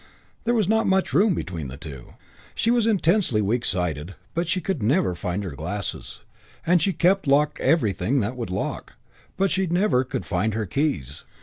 There was not much room between the two. She was intensely weak sighted, but she never could find her glasses; and she kept locked everything that would lock, but she never could find her keys.